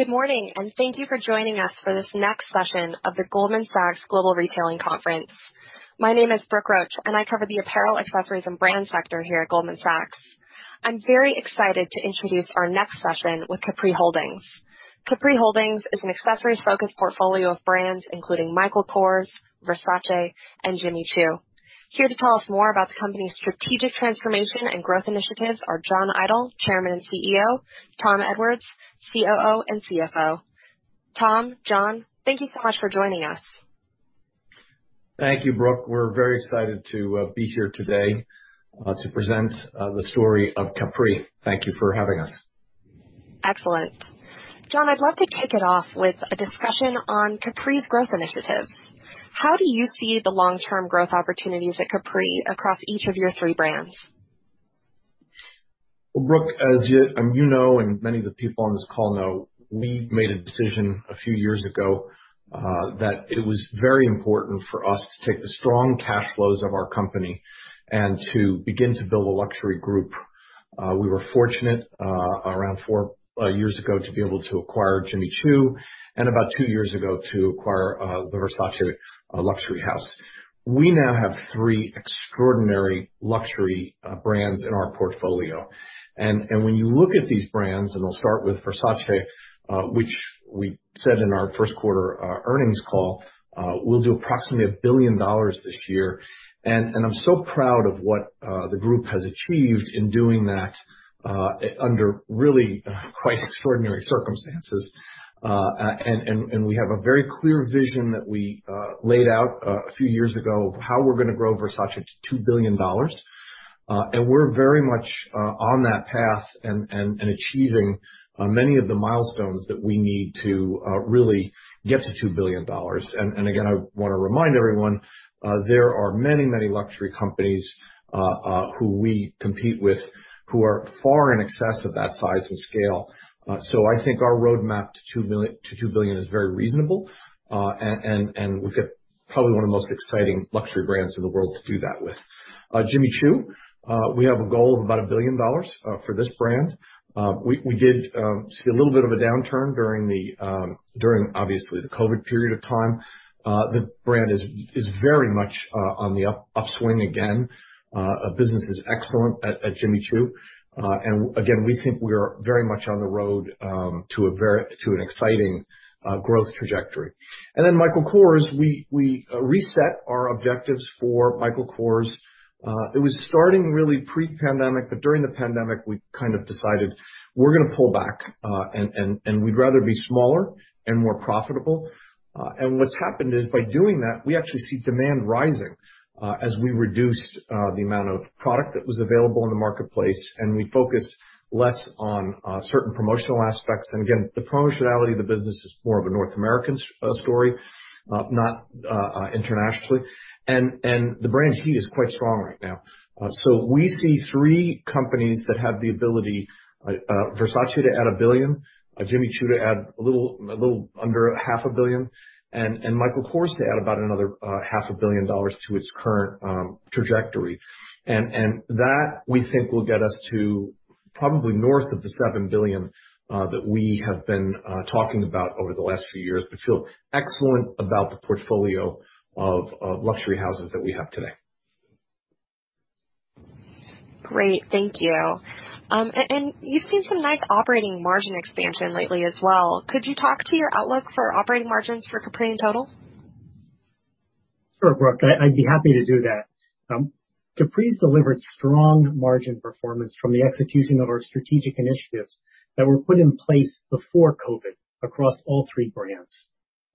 Good morning, and thank you for joining us for this next session of the Goldman Sachs Global Retailing Conference. My name is Brooke Roach. I cover the apparel, accessories, and brand sector here at Goldman Sachs. I'm very excited to introduce our next session with Capri Holdings. Capri Holdings is an accessories-focused portfolio of brands including Michael Kors, Versace, and Jimmy Choo. Here to tell us more about the company's strategic transformation and growth initiatives are John Idol, Chairman and CEO, Tom Edwards, COO and CFO. Tom, John, thank you so much for joining us. Thank you, Brooke. We're very excited to be here today to present the story of Capri. Thank you for having us. Excellent. John, I'd love to kick it off with a discussion on Capri's growth initiatives. How do you see the long-term growth opportunities at Capri across each of your three brands? Brooke, as you know, and many of the people on this call know, we made a decision a few years ago, that it was very important for us to take the strong cash flows of our company and to begin to build a luxury group. We were fortunate, around 4 years ago, to be able to acquire Jimmy Choo, and about 2 years ago, to acquire the Versace luxury house. We now have 3 extraordinary luxury brands in our portfolio. When you look at these brands, and I'll start with Versace, which we said in our first quarter earnings call, will do approximately $1 billion this year. I'm so proud of what the group has achieved in doing that under really quite extraordinary circumstances. We have a very clear vision that we laid out a few years ago of how we're going to grow Versace to $2 billion. We're very much on that path and achieving many of the milestones that we need to really get to $2 billion. Again, I want to remind everyone, there are many luxury companies who we compete with, who are far in excess of that size and scale. I think our roadmap to $2 billion is very reasonable. We've got probably one of the most exciting luxury brands in the world to do that with. Jimmy Choo, we have a goal of about $1 billion for this brand. We did see a little bit of a downturn during, obviously, the COVID period of time. The brand is very much on the upswing again. Business is excellent at Jimmy Choo. We think we are very much on the road to an exciting growth trajectory. Michael Kors, we reset our objectives for Michael Kors. It was starting really pre-pandemic, but during the pandemic, we kind of decided we're going to pull back, and we'd rather be smaller and more profitable. By doing that, we actually see demand rising as we reduced the amount of product that was available in the marketplace, and we focused less on certain promotional aspects. The promotionality of the business is more of a North American story, not internationally. The brand heat is quite strong right now. We see 3 companies that have the ability, Versace to add $1 billion, Jimmy Choo to add a little under half a billion dollars, and Michael Kors to add about another half a billion dollars to its current trajectory. That, we think will get us to probably north of the $7 billion that we have been talking about over the last few years, but feel excellent about the portfolio of luxury houses that we have today. Great. Thank you. You've seen some nice operating margin expansion lately as well. Could you talk to your outlook for operating margins for Capri in total? Sure, Brooke. I'd be happy to do that. Capri's delivered strong margin performance from the execution of our strategic initiatives that were put in place before COVID across all three brands.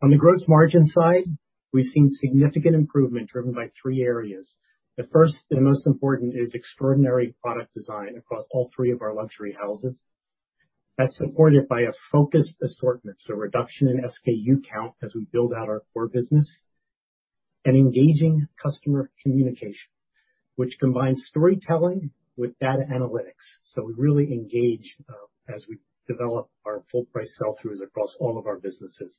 On the gross margin side, we've seen significant improvement driven by three areas. The first and most important is extraordinary product design across all three of our luxury houses. That's supported by a focused assortment, so reduction in SKU count as we build out our core business, and engaging customer communication, which combines storytelling with data analytics. We really engage as we develop our full price sell-throughs across all of our businesses.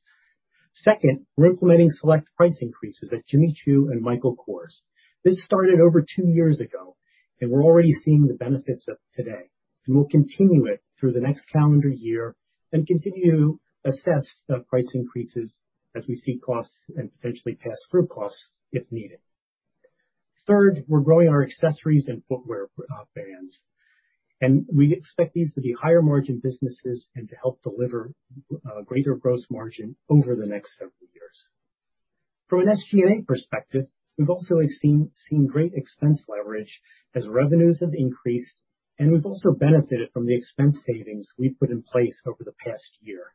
Second, we're implementing select price increases at Jimmy Choo and Michael Kors. This started over two years ago, and we're already seeing the benefits of it today. We'll continue it through the next calendar year and continue to assess the price increases as we see costs and potentially pass through costs if needed. Third, we're growing our accessories and footwear brands, and we expect these to be higher margin businesses and to help deliver greater gross margin over the next several years. From an SG&A perspective, we've also seen great expense leverage as revenues have increased, and we've also benefited from the expense savings we've put in place over the past year.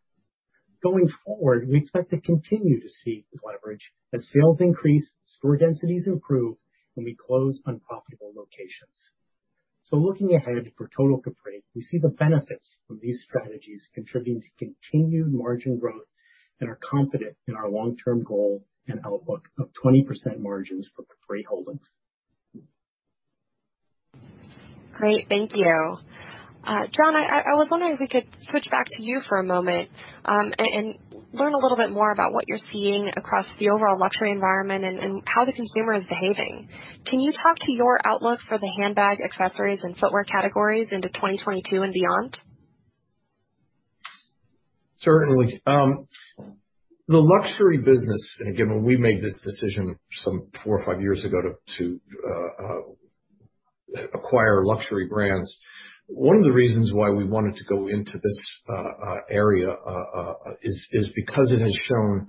Going forward, we expect to continue to see this leverage as sales increase, store densities improve, and we close unprofitable locations. Looking ahead for total Capri, we see the benefits of these strategies contributing to continued margin growth and are confident in our long-term goal and outlook of 20% margins for Capri Holdings. Great. Thank you. John, I was wondering if we could switch back to you for a moment, and learn a little bit more about what you're seeing across the overall luxury environment and how the consumer is behaving. Can you talk to your outlook for the handbag, accessories, and footwear categories into 2022 and beyond? Certainly. The luxury business, again, when we made this decision some 4 or 5 years ago to acquire luxury brands, one of the reasons why we wanted to go into this area is because it has shown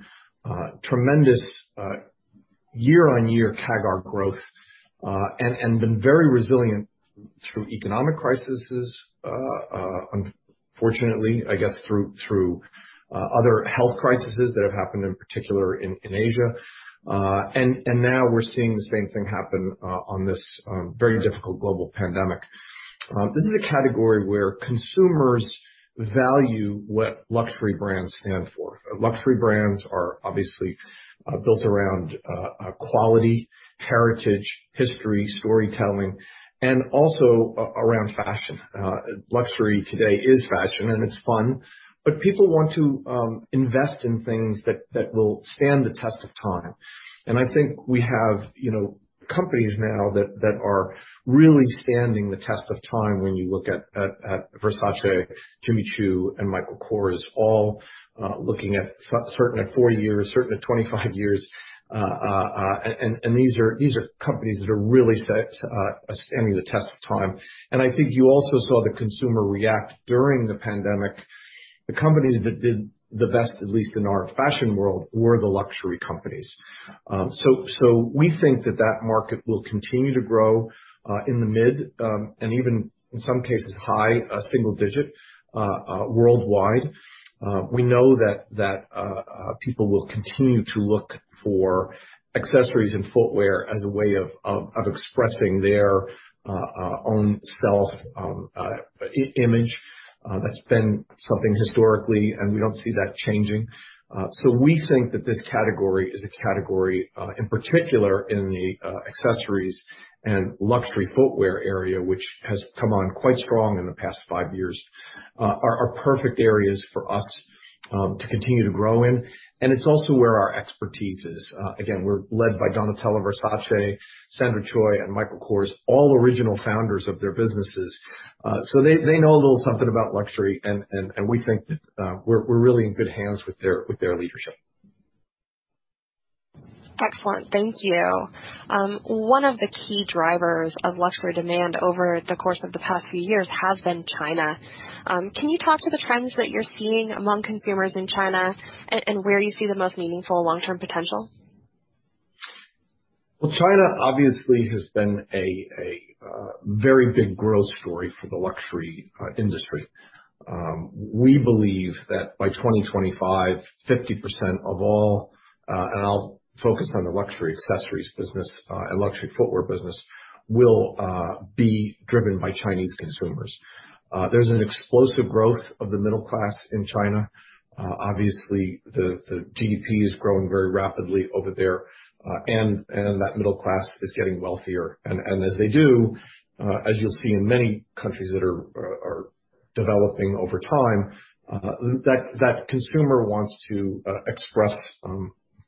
tremendous year-on-year CAGR growth, and been very resilient through economic crises, unfortunately. I guess through other health crises that have happened, in particular in Asia. Now we're seeing the same thing happen on this very difficult global pandemic. This is a category where consumers value what luxury brands stand for. Luxury brands are obviously built around quality, heritage, history, storytelling, and also around fashion. Luxury today is fashion, and it's fun, but people want to invest in things that will stand the test of time. I think we have companies now that are really standing the test of time when you look at Versace, Jimmy Choo, and Michael Kors, all looking at certain at 4 years, certain at 25 years. These are companies that are really standing the test of time. I think you also saw the consumer react during the pandemic. The companies that did the best, at least in our fashion world, were the luxury companies. We think that that market will continue to grow, in the mid- and even in some cases, high single-digit worldwide. We know that people will continue to look for accessories and footwear as a way of expressing their own self-image. That's been something historically, and we don't see that changing. We think that this category is a category, in particular in the accessories and luxury footwear area, which has come on quite strong in the past five years, are perfect areas for us to continue to grow in, and it's also where our expertise is. Again, we're led by Donatella Versace, Sandra Choi, and Michael Kors, all original founders of their businesses. They know a little something about luxury, and we think that we're really in good hands with their leadership. Excellent. Thank you. One of the key drivers of luxury demand over the course of the past few years has been China. Can you talk to the trends that you're seeing among consumers in China and where you see the most meaningful long-term potential? Well, China obviously has been a very big growth story for the luxury industry. We believe that by 2025, 50% of all, and I'll focus on the luxury accessories business and luxury footwear business, will be driven by Chinese consumers. There's an explosive growth of the middle class in China. Obviously, the GDP is growing very rapidly over there, and that middle class is getting wealthier. As they do, as you'll see in many countries that are developing over time, that consumer wants to express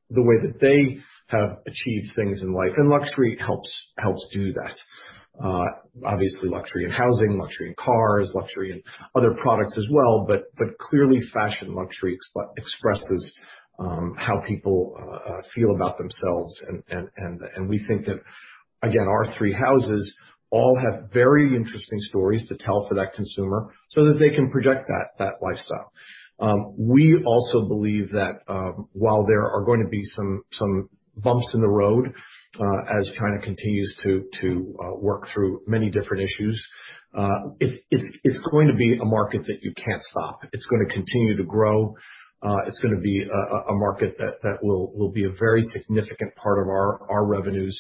the way that they have achieved things in life, and luxury helps do that. Obviously, luxury in housing, luxury in cars, luxury in other products as well, but clearly fashion luxury expresses how people feel about themselves. We think that, again, our three houses all have very interesting stories to tell for that consumer so that they can project that lifestyle. We also believe that while there are going to be some bumps in the road as China continues to work through many different issues, it's going to be a market that you can't stop. It's going to continue to grow. It's going to be a market that will be a very significant part of our revenues.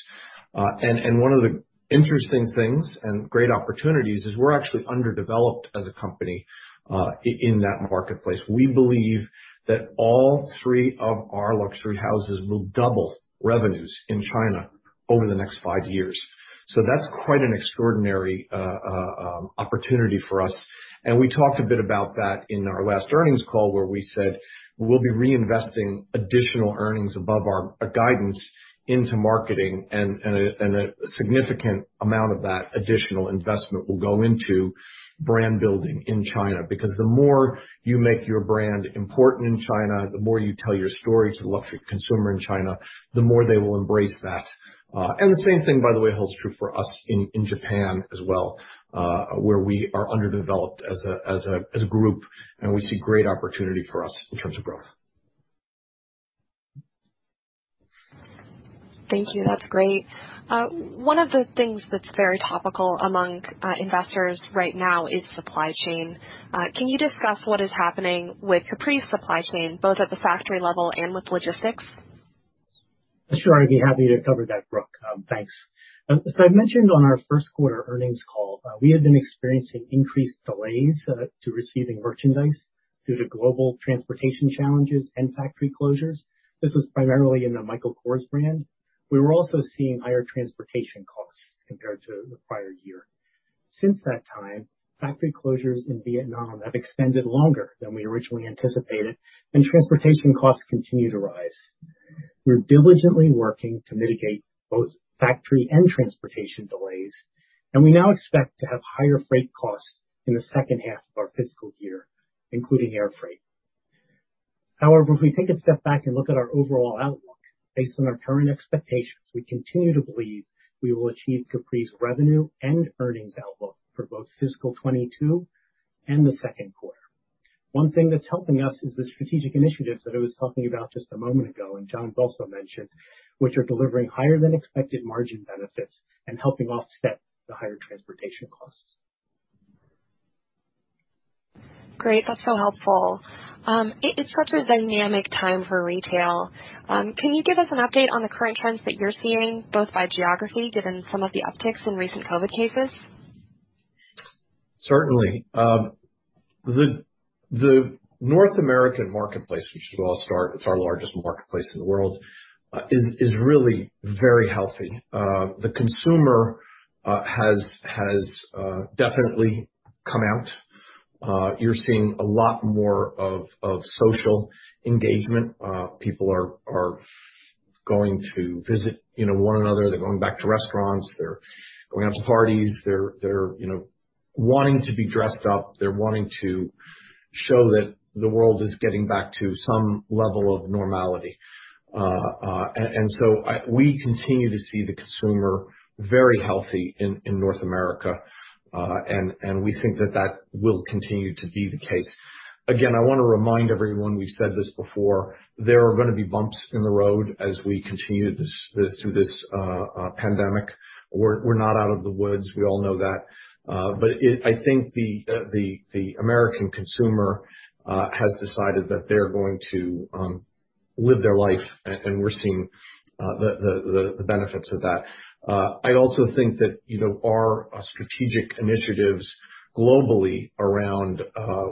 One of the interesting things and great opportunities is we're actually underdeveloped as a company in that marketplace. We believe that all 3 of our luxury houses will double revenues in China over the next 5 years. That's quite an extraordinary opportunity for us. We talked a bit about that in our last earnings call, where we said we'll be reinvesting additional earnings above our guidance into marketing, and a significant amount of that additional investment will go into brand building in China. Because the more you make your brand important in China, the more you tell your story to the luxury consumer in China, the more they will embrace that. The same thing, by the way, holds true for us in Japan as well, where we are underdeveloped as a group, and we see great opportunity for us in terms of growth. Thank you. That's great. One of the things that's very topical among investors right now is supply chain. Can you discuss what is happening with Capri's supply chain, both at the factory level and with logistics? Sure. I'd be happy to cover that, Brooke. Thanks. As I mentioned on our first quarter earnings call, we had been experiencing increased delays to receiving merchandise due to global transportation challenges and factory closures. This was primarily in the Michael Kors brand. We were also seeing higher transportation costs compared to the prior year. Since that time, factory closures in Vietnam have extended longer than we originally anticipated, and transportation costs continue to rise. We're diligently working to mitigate both factory and transportation delays, and we now expect to have higher freight costs in the second half of our fiscal year, including air freight. However, if we take a step back and look at our overall outlook, based on our current expectations, we continue to believe we will achieve Capri's revenue and earnings outlook for both Fiscal 2022 and the second quarter. One thing that's helping us is the strategic initiatives that I was talking about just a moment ago, and John's also mentioned, which are delivering higher than expected margin benefits and helping offset the higher transportation costs. Great. That's so helpful. It's such a dynamic time for retail. Can you give us an update on the current trends that you're seeing, both by geography, given some of the upticks in recent COVID cases? Certainly. The North American marketplace, we should all start, it's our largest marketplace in the world, is really very healthy. The consumer has definitely come out. You're seeing a lot more of social engagement. People are going to visit one another. They're going back to restaurants. They're going out to parties. They're wanting to be dressed up. They're wanting to show that the world is getting back to some level of normality. So we continue to see the consumer very healthy in North America. We think that that will continue to be the case. Again, I want to remind everyone, we've said this before, there are going to be bumps in the road as we continue through this pandemic. We're not out of the woods. We all know that. I think the American consumer has decided that they're going to live their life, and we're seeing the benefits of that. I also think that our strategic initiatives globally around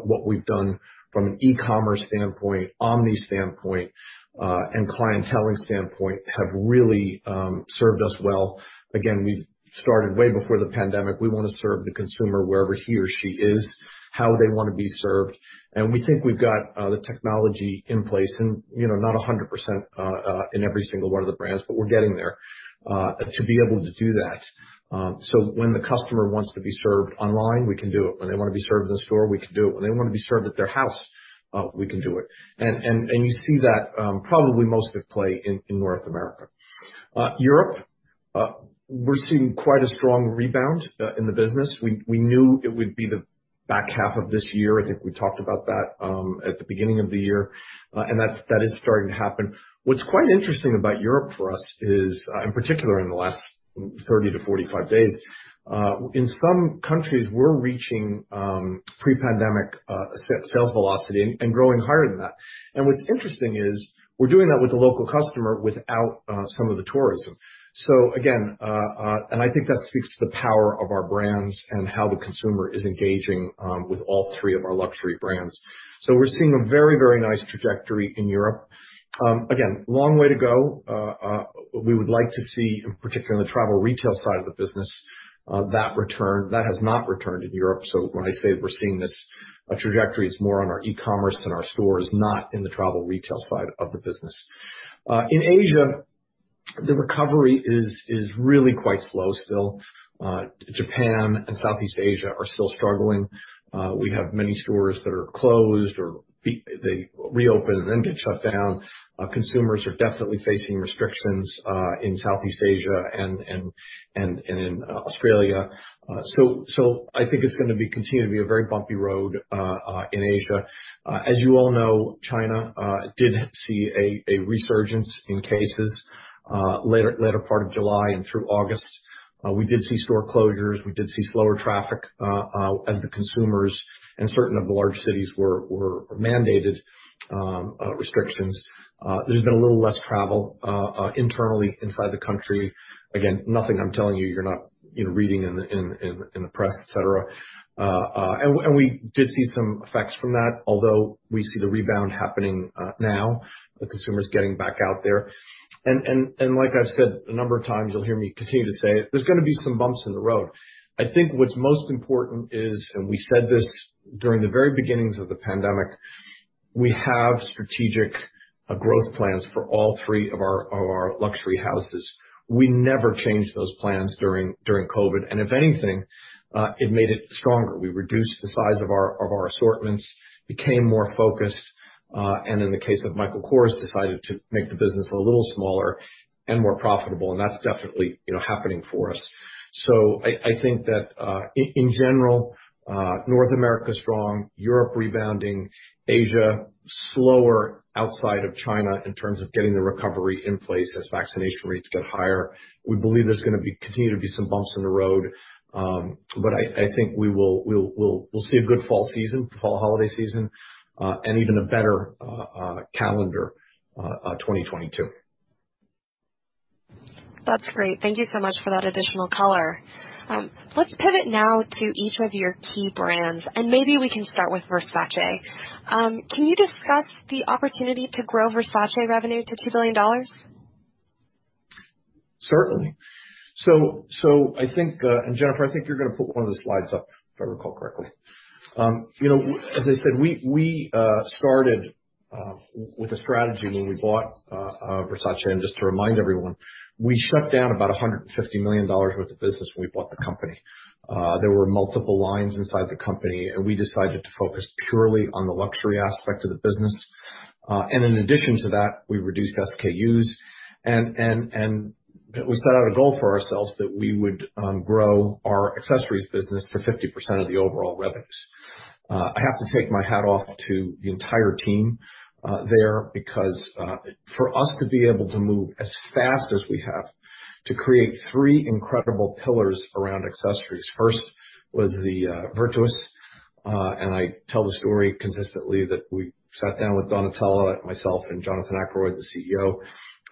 what we've done from an e-commerce standpoint, omni standpoint, and clienteling standpoint, have really served us well. Again, we've started way before the pandemic. We want to serve the consumer wherever he or she is, how they want to be served, and we think we've got the technology in place and not 100% in every single one of the brands, but we're getting there, to be able to do that. When the customer wants to be served online, we can do it. When they want to be served in the store, we can do it. When they want to be served at their house, we can do it. You see that probably most at play in North America. Europe, we're seeing quite a strong rebound in the business. We knew it would be the back half of this year. I think we talked about that at the beginning of the year. That is starting to happen. What's quite interesting about Europe for us is, in particular in the last 30 to 45 days, in some countries, we're reaching pre-pandemic sales velocity and growing higher than that. What's interesting is we're doing that with the local customer without some of the tourism. Again, and I think that speaks to the power of our brands and how the consumer is engaging with all three of our luxury brands. We're seeing a very nice trajectory in Europe. Again, long way to go. We would like to see, in particular in the travel retail side of the business, that return. That has not returned in Europe. When I say we're seeing this trajectory is more on our e-commerce than our stores, not in the travel retail side of the business. In Asia, the recovery is really quite slow still. Japan and Southeast Asia are still struggling. We have many stores that are closed, or they reopen and then get shut down. Consumers are definitely facing restrictions in Southeast Asia and in Australia. I think it's going to continue to be a very bumpy road in Asia. As you all know, China did see a resurgence in cases later part of July and through August. We did see store closures. We did see slower traffic as the consumers in certain of the large cities were mandated restrictions. There's been a little less travel internally inside the country. Again, nothing I'm telling you're not reading in the press, et cetera. We did see some effects from that, although we see the rebound happening now, the consumers getting back out there. Like I've said a number of times, you'll hear me continue to say it, there's going to be some bumps in the road. I think what's most important is, and we said this during the very beginnings of the pandemic, we have strategic growth plans for all three of our luxury houses. We never changed those plans during COVID, and if anything, it made it stronger. We reduced the size of our assortments, became more focused, and in the case of Michael Kors, decided to make the business a little smaller and more profitable, and that's definitely happening for us. I think that, in general, North America is strong, Europe rebounding, Asia slower outside of China in terms of getting the recovery in place as vaccination rates get higher. We believe there's going to continue to be some bumps in the road. I think we'll see a good fall season, fall holiday season, and even a better calendar 2022. That's great. Thank you so much for that additional color. Let's pivot now to each of your key brands, and maybe we can start with Versace. Can you discuss the opportunity to grow Versace revenue to $2 billion? Certainly. Jennifer, I think you're going to put one of the slides up, if I recall correctly. As I said, we started with a strategy when we bought Versace, and just to remind everyone, we shut down about $150 million worth of business when we bought the company. There were multiple lines inside the company, and we decided to focus purely on the luxury aspect of the business. In addition to that, we reduced SKUs, and we set out a goal for ourselves that we would grow our accessories business to 50% of the overall revenues. I have to take my hat off to the entire team there, because for us to be able to move as fast as we have to create three incredible pillars around accessories. First was the Virtus. I tell the story consistently that we sat down with Donatella, myself, and Jonathan Akeroyd, the CEO,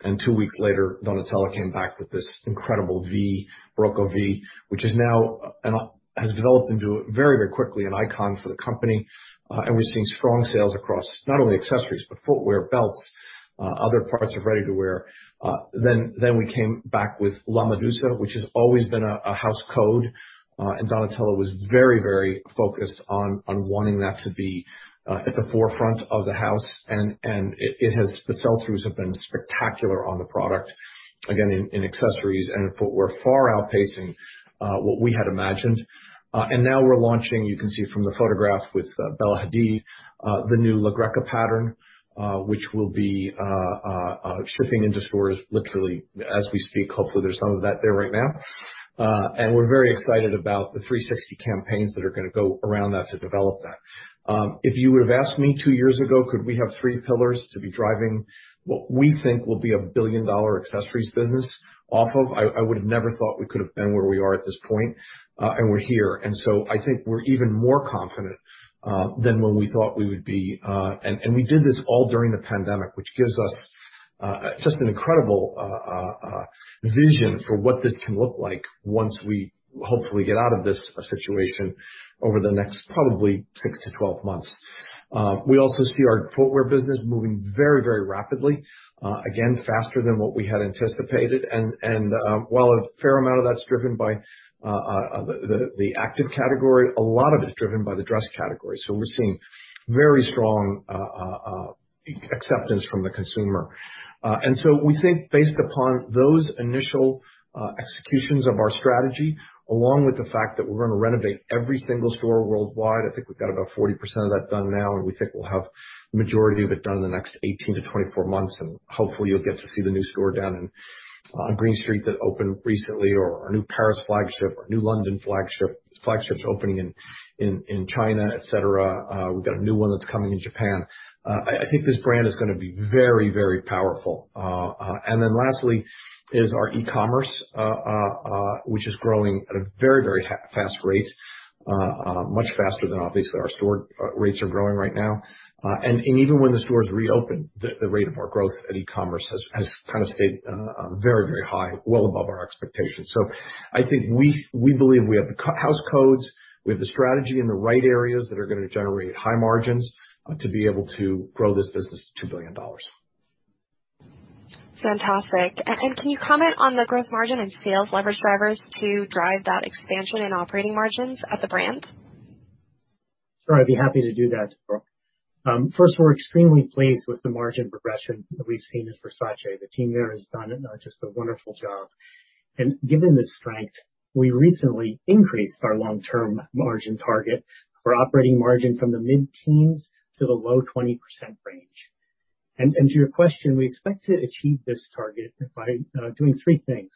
and 2 weeks later, Donatella came back with this incredible Barocco V, which has developed very quickly an icon for the company. We're seeing strong sales across not only accessories, but footwear, belts, other parts of ready-to-wear. We came back with La Medusa, which has always been a house code. Donatella was very focused on wanting that to be at the forefront of the house. The sell-throughs have been spectacular on the product, again, in accessories and in footwear, far outpacing what we had imagined. Now we're launching, you can see from the photograph with Bella Hadid, the new La Greca pattern, which will be shipping into stores literally as we speak. Hopefully, there's some of that there right now. We're very excited about the 360 campaigns that are going to go around that to develop that. If you would have asked me 2 years ago, could we have 3 pillars to be driving what we think will be a billion-dollar accessories business off of, I would have never thought we could have been where we are at this point, and we're here. I think we're even more confident than when we thought we would be. We did this all during the pandemic, which gives us just an incredible vision for what this can look like once we hopefully get out of this situation over the next probably 6-12 months. We also see our footwear business moving very rapidly. Again, faster than what we had anticipated. While a fair amount of that's driven by the active category, a lot of it is driven by the dress category. We're seeing very strong acceptance from the consumer. We think based upon those initial executions of our strategy, along with the fact that we're going to renovate every single store worldwide, I think we've got about 40% of that done now, and we think we'll have the majority of it done in the next 18 to 24 months, and hopefully you'll get to see the new store down on Green Street that opened recently, or our new Paris flagship, our new London flagship, flagships opening in China, et cetera. We've got a new one that's coming in Japan. I think this brand is going to be very powerful. Lastly is our e-commerce, which is growing at a very fast rate, much faster than obviously our store rates are growing right now. Even when the stores reopen, the rate of our growth at e-commerce has stayed very high, well above our expectations. I think we believe we have the house codes, we have the strategy in the right areas that are going to generate high margins to be able to grow this business to $2 billion. Fantastic. Can you comment on the gross margin and sales leverage drivers to drive that expansion in operating margins of the brand? Sure, I'd be happy to do that. First, we're extremely pleased with the margin progression that we've seen in Versace. The team there has done just a wonderful job. Given the strength, we recently increased our long-term margin target for operating margin from the mid-teens to the low 20% range. To your question, we expect to achieve this target by doing three things.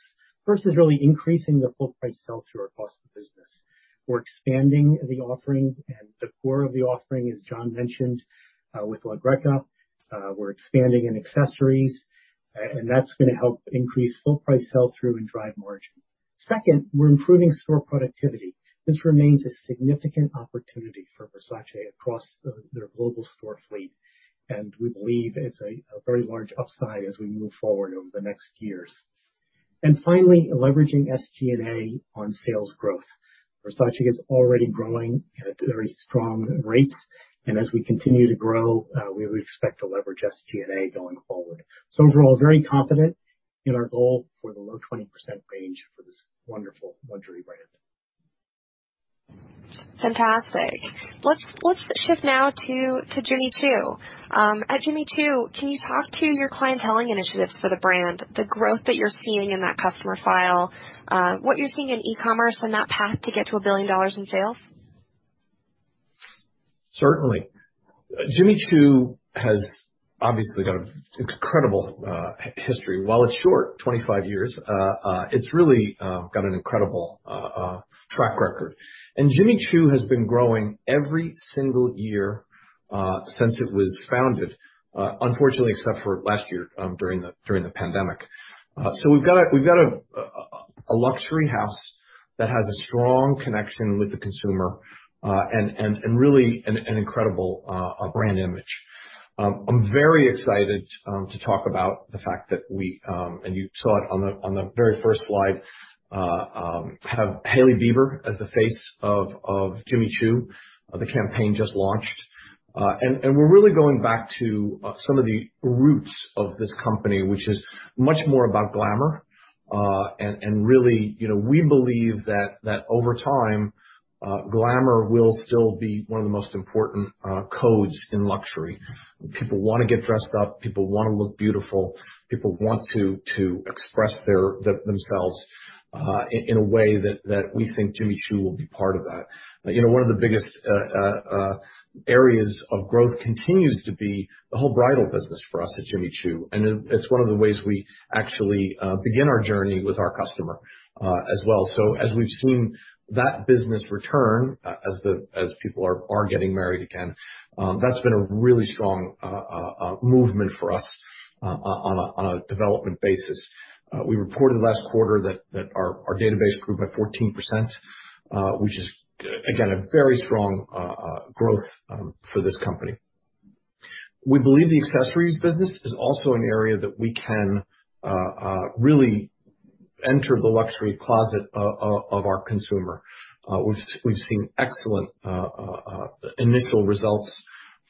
First is really increasing the full price sell-through across the business. We're expanding the offering and the core of the offering, as John mentioned, with La Greca. We're expanding in accessories, and that's going to help increase full price sell-through and drive margin. Second, we're improving store productivity. This remains a significant opportunity for Versace across their global store fleet, and we believe it's a very large upside as we move forward over the next years. Finally, leveraging SG&A on sales growth. Versace is already growing at very strong rates, and as we continue to grow, we would expect to leverage SG&A going forward. Overall, very confident in our goal for the low 20% range for this wonderful luxury brand. Fantastic. Let's shift now to Jimmy Choo. At Jimmy Choo, can you talk to your clienteling initiatives for the brand, the growth that you're seeing in that customer file, what you're seeing in e-commerce and that path to get to $1 billion in sales? Certainly. Jimmy Choo has obviously got an incredible history. While it's short, 25 years, it's really got an incredible track record. Jimmy Choo has been growing every single year since it was founded, unfortunately, except for last year during the pandemic. We've got a luxury house that has a strong connection with the consumer, and really an incredible brand image. I'm very excited to talk about the fact that we, and you saw it on the very first slideHave Hailey Bieber as the face of Jimmy Choo. The campaign just launched. We're really going back to some of the roots of this company, which is much more about glamour. Really, we believe that over time, glamour will still be one of the most important codes in luxury. People want to get dressed up. People want to look beautiful. People want to express themselves, in a way that we think Jimmy Choo will be part of that. One of the biggest areas of growth continues to be the whole bridal business for us at Jimmy Choo, and it's one of the ways we actually begin our journey with our customer as well. As we've seen that business return, as people are getting married again, that's been a really strong movement for us on a development basis. We reported last quarter that our database grew by 14%, which is, again, a very strong growth for this company. We believe the accessories business is also an area that we can really enter the luxury closet of our consumer. We've seen excellent initial results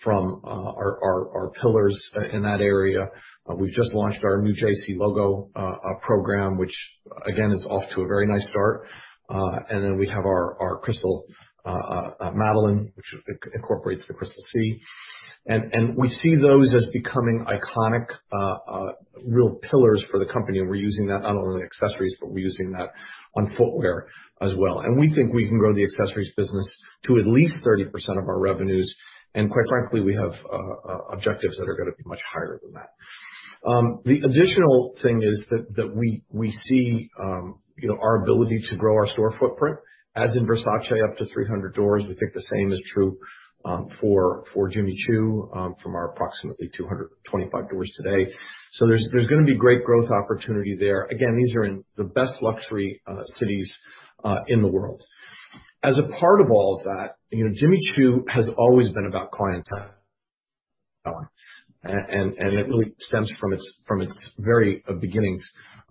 from our pillars in that area. We've just launched our new JC logo program, which again, is off to a very nice start. We have our crystal Madeline, which incorporates the crystal C. We see those as becoming iconic, real pillars for the company, and we're using that not only on accessories, but we're using that on footwear as well. We think we can grow the accessories business to at least 30% of our revenues, and quite frankly, we have objectives that are going to be much higher than that. The additional thing is that we see our ability to grow our store footprint, as in Versace, up to 300 doors. We think the same is true for Jimmy Choo, from our approximately 225 doors today. There's going to be great growth opportunity there. Again, these are in the best luxury cities in the world. As a part of all of that, Jimmy Choo has always been about clienteling, and it really stems from its very beginnings,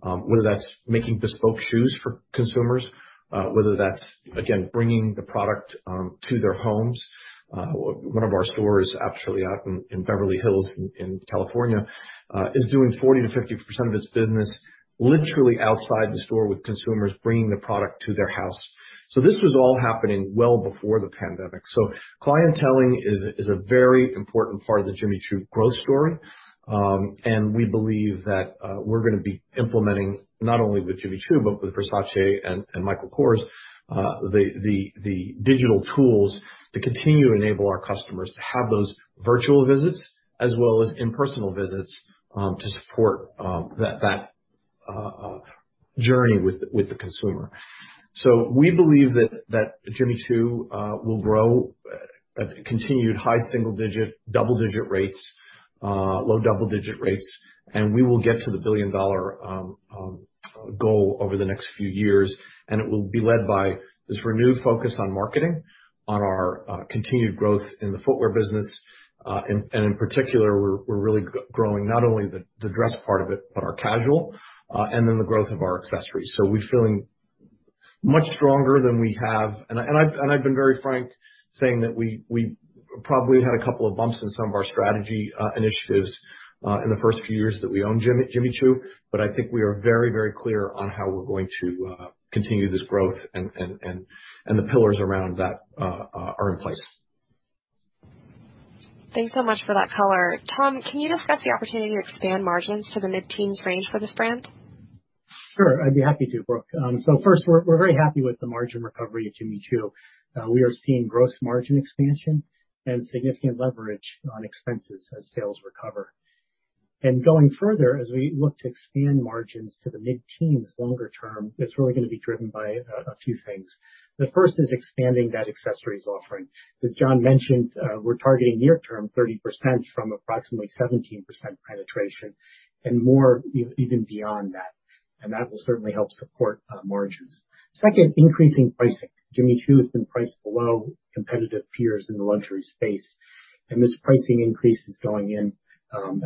whether that's making bespoke shoes for consumers, whether that's, again, bringing the product to their homes. One of our stores, actually, out in Beverly Hills in California, is doing 40%-50% of its business literally outside the store with consumers bringing the product to their house. This was all happening well before the pandemic. Clienteling is a very important part of the Jimmy Choo growth story. We believe that we're going to be implementing, not only with Jimmy Choo, but with Versace and Michael Kors, the digital tools to continue to enable our customers to have those virtual visits as well as in-personal visits, to support that journey with the consumer. We believe that Jimmy Choo will grow at a continued high single digit, double-digit rates, low double-digit rates, and we will get to the billion-dollar goal over the next few years. It will be led by this renewed focus on marketing, on our continued growth in the footwear business, and in particular, we're really growing not only the dress part of it, but our casual, and then the growth of our accessories. We're feeling much stronger than we have. I've been very frank saying that we probably had a couple of bumps in some of our strategy initiatives in the first few years that we owned Jimmy Choo, but I think we are very clear on how we're going to continue this growth, and the pillars around that are in place. Thanks so much for that color. Tom, can you discuss the opportunity to expand margins to the mid-teens range for this brand? Sure, I'd be happy to, Brooke. First, we're very happy with the margin recovery at Jimmy Choo. We are seeing gross margin expansion and significant leverage on expenses as sales recover. Going further, as we look to expand margins to the mid-teens longer term, it's really going to be driven by a few things. The first is expanding that accessories offering. As John mentioned, we're targeting near term 30% from approximately 17% penetration and more even beyond that. That will certainly help support margins. Second, increasing pricing. Jimmy Choo has been priced below competitive peers in the luxury space, and this pricing increase is going in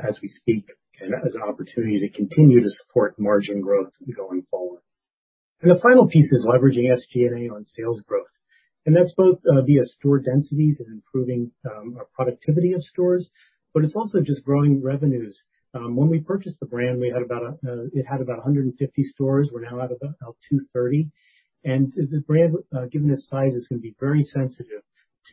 as we speak, and as an opportunity to continue to support margin growth going forward. The final piece is leveraging SG&A on sales growth, and that's both via store densities and improving our productivity of stores, but it's also just growing revenues. When we purchased the brand, it had about 150 stores. We're now at about 230. The brand, given its size, is going to be very sensitive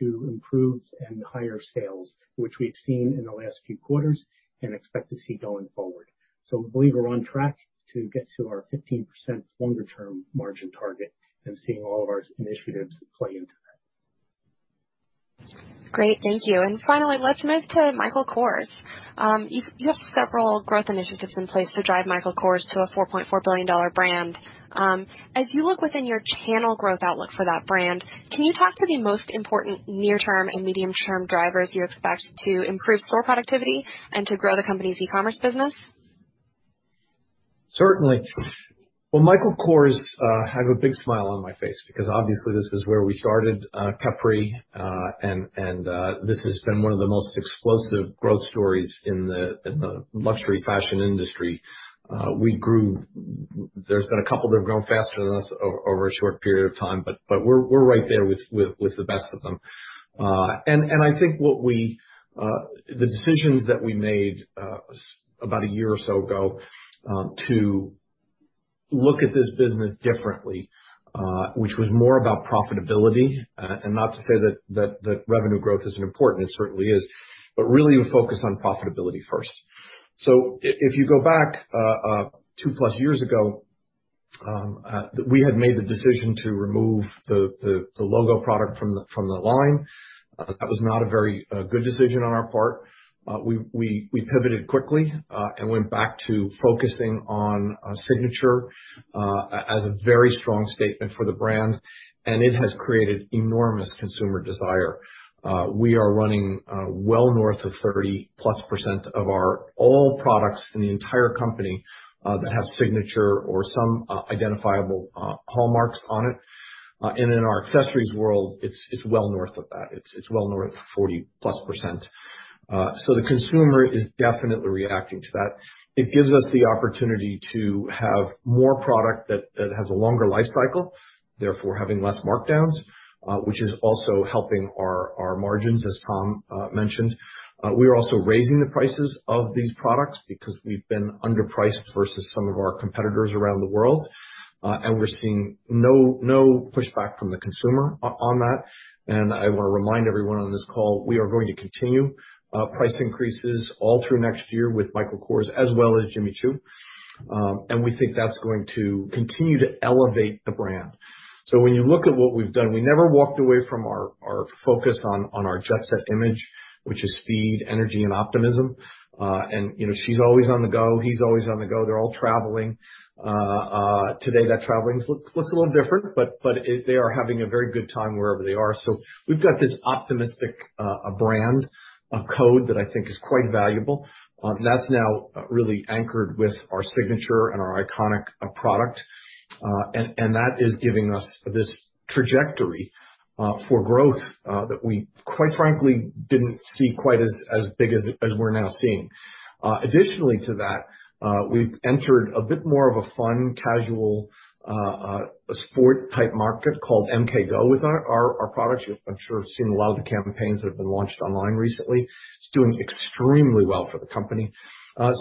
to improvements and higher sales, which we've seen in the last few quarters and expect to see going forward. We believe we're on track to get to our 15% longer-term margin target and seeing all of our initiatives play into that. Great. Thank you. Finally, let's move to Michael Kors. You have several growth initiatives in place to drive Michael Kors to a $4.4 billion brand. As you look within your channel growth outlook for that brand, can you talk through the most important near-term and medium-term drivers you expect to improve store productivity and to grow the company's e-commerce business? Certainly. Well, Michael Kors has a big smile on my face because obviously this is where we started Capri, and this has been one of the most explosive growth stories in the luxury fashion industry. There's been a couple that have grown faster than us over a short period of time, but we're right there with the best of them. I think the decisions that we made about 1 year or so ago to look at this business differently, which was more about profitability, and not to say that revenue growth isn't important, it certainly is, but really a focus on profitability first. If you go back 2-plus years ago, we had made the decision to remove the logo product from the line. That was not a very good decision on our part. We pivoted quickly, and went back to focusing on a signature as a very strong statement for the brand, and it has created enormous consumer desire. We are running well north of 30%-plus of our all products in the entire company that have signature or some identifiable hallmarks on it. In our accessories world, it's well north of that. It's well north of 40%-plus. The consumer is definitely reacting to that. It gives us the opportunity to have more product that has a longer life cycle, therefore having less markdowns, which is also helping our margins, as Tom mentioned. We are also raising the prices of these products because we've been underpriced versus some of our competitors around the world. We're seeing no pushback from the consumer on that. I want to remind everyone on this call, we are going to continue price increases all through next year with Michael Kors as well as Jimmy Choo. We think that's going to continue to elevate the brand. When you look at what we've done, we never walked away from our focus on our jet-set image, which is speed, energy, and optimism. She's always on the go. He's always on the go. They're all traveling. Today that traveling looks a little different, but they are having a very good time wherever they are. We've got this optimistic brand code that I think is quite valuable. That's now really anchored with our signature and our iconic product. That is giving us this trajectory for growth, that we quite frankly, didn't see quite as big as we're now seeing. Additionally to that, we've entered a bit more of a fun, casual, sport-type market called MKGO with our products. I'm sure you've seen a lot of the campaigns that have been launched online recently. It's doing extremely well for the company. I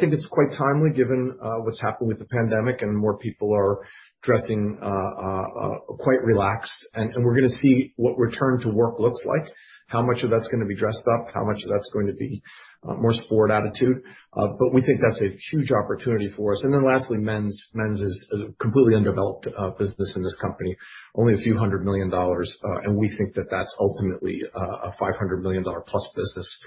think it's quite timely given what's happened with the pandemic and more people are dressing quite relaxed, and we're going to see what return to work looks like, how much of that's going to be dressed up, how much of that's going to be more sport attitude. We think that's a huge opportunity for us. Lastly, men's is a completely undeveloped business in this company. Only a few hundred million dollars, and we think that that's ultimately a $500 million-plus business.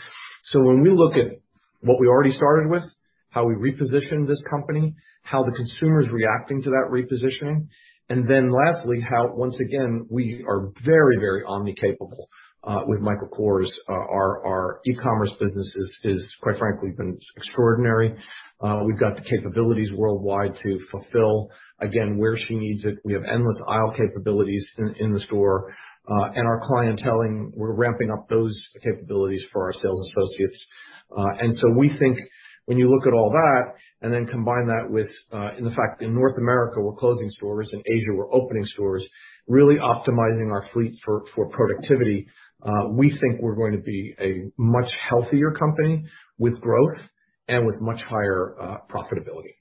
When we look at what we already started with, how we repositioned this company, how the consumer is reacting to that repositioning, and then lastly, how, once again, we are very omni capable. With Michael Kors, our e-commerce business is, quite frankly, been extraordinary. We've got the capabilities worldwide to fulfill, again, where she needs it. We have endless aisle capabilities in the store, and our clienteling, we're ramping up those capabilities for our sales associates. We think when you look at all that, and then combine that with the fact in North America, we're closing stores. In Asia, we're opening stores, really optimizing our fleet for productivity. We think we're going to be a much healthier company with growth and with much higher profitability.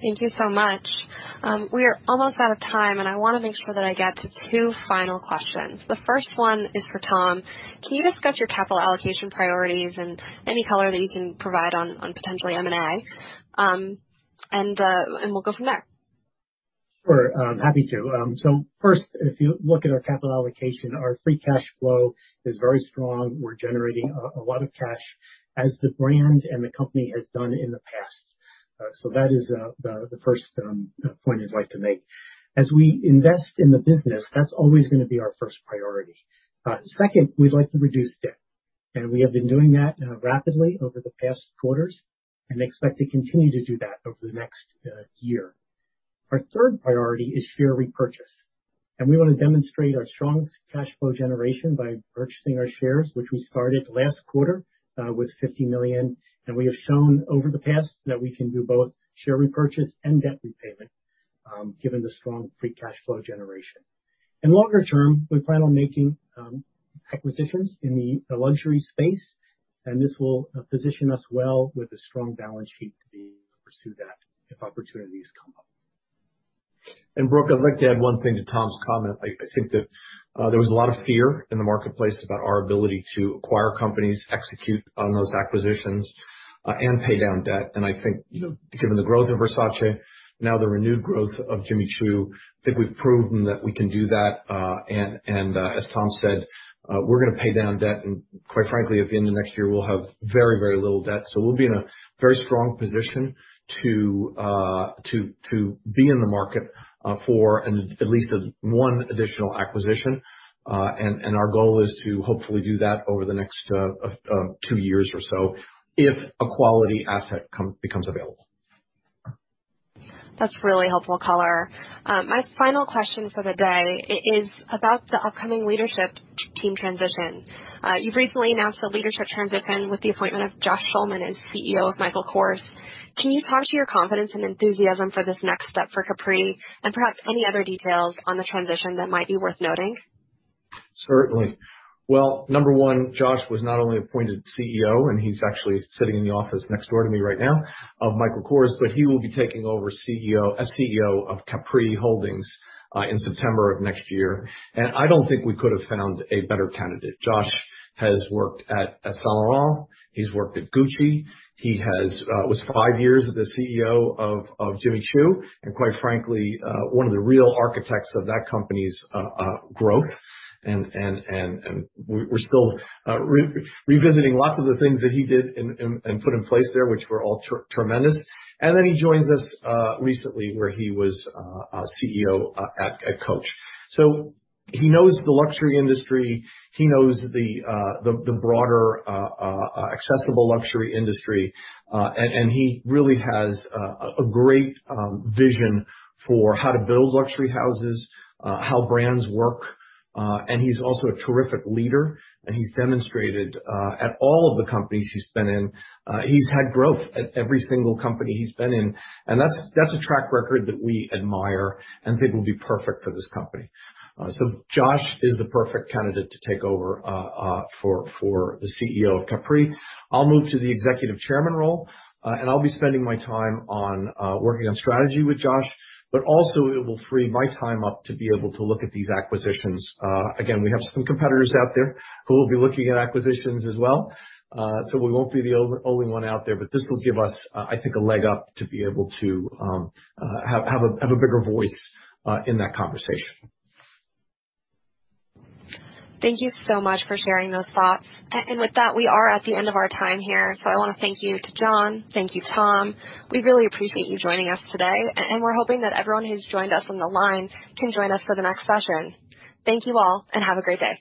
Thank you so much. We are almost out of time, and I want to make sure that I get to 2 final questions. The first one is for Tom. Can you discuss your capital allocation priorities and any color that you can provide on potentially M&A? We'll go from there. Sure. Happy to. First, if you look at our capital allocation, our free cash flow is very strong. We're generating a lot of cash as the brand and the company has done in the past. That is the first point I'd like to make. As we invest in the business, that's always going to be our first priority. Second, we'd like to reduce debt, and we have been doing that rapidly over the past quarters and expect to continue to do that over the next year. Our third priority is share repurchase, and we want to demonstrate our strong cash flow generation by purchasing our shares, which we started last quarter with $50 million, and we have shown over the past that we can do both share repurchase and debt repayment, given the strong free cash flow generation. In longer term, we plan on making acquisitions in the luxury space, and this will position us well with a strong balance sheet to be able to pursue that if opportunities come up. Brooke, I'd like to add one thing to Tom's comment. I think that there was a lot of fear in the marketplace about our ability to acquire companies, execute on those acquisitions, and pay down debt. I think, given the growth of Versace, now the renewed growth of Jimmy Choo, I think we've proven that we can do that. As Tom said, we're going to pay down debt, and quite frankly, at the end of next year, we'll have very little debt. We'll be in a very strong position to be in the market for at least one additional acquisition. Our goal is to hopefully do that over the next two years or so if a quality asset becomes available. That's really helpful color. My final question for the day is about the upcoming leadership team transition. You've recently announced the leadership transition with the appointment of Joshua Schulman as CEO of Michael Kors. Can you talk to your confidence and enthusiasm for this next step for Capri, and perhaps any other details on the transition that might be worth noting? Certainly. Well, number 1, Joshua Schulman was not only appointed CEO, and he's actually sitting in the office next door to me right now, of Michael Kors, he will be taking over as CEO of Capri Holdings in September of next year. I don't think we could have found a better candidate. Joshua Schulman has worked at Saint Laurent, he's worked at Gucci. He was five years the CEO of Jimmy Choo and quite frankly, one of the real architects of that company's growth. We're still revisiting lots of the things that he did and put in place there, which were all tremendous. He joins us recently where he was CEO at Coach. He knows the luxury industry, he knows the broader accessible luxury industry. He really has a great vision for how to build luxury houses, how brands work. He's also a terrific leader, and he's demonstrated at all of the companies he's been in. He's had growth at every single company he's been in, and that's a track record that we admire and think will be perfect for this company. Josh is the perfect candidate to take over for the CEO of Capri. I'll move to the executive chairman role, and I'll be spending my time on working on strategy with Josh, but also it will free my time up to be able to look at these acquisitions. Again, we have some competitors out there who will be looking at acquisitions as well. We won't be the only one out there, but this will give us, I think, a leg up to be able to have a bigger voice in that conversation. Thank you so much for sharing those thoughts. With that, we are at the end of our time here. I want to thank you to John, thank you, Tom. We really appreciate you joining us today, and we're hoping that everyone who's joined us on the line can join us for the next session. Thank you all. Have a great day.